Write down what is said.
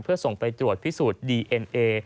เพื่อส่งไปตรวจพิสูจน์ดีเอ็นเอ